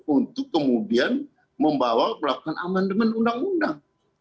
untuk kemudian membawa melakukan amandemen undang undang